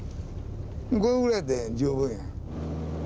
これぐらいやて十分や。